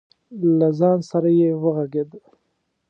له ځان سره یې وغږېده.